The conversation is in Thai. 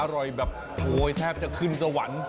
อร่อยแบบโอ้ยแทบจะขึ้นสวรรค์